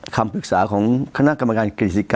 คำปรึกษาของคณะกรรมการ